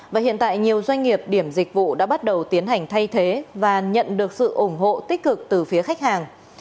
và hiện tại nhiều doanh nghiệp điểm dịch vụ đã bắt đầu tiến hành thay thế và nhận được sự ủng hộ tích cực từ phía khách hàng